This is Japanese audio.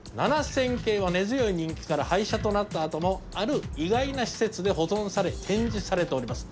７０００系は根強い人気から廃車となったあともある意外な施設で保存され展示されております。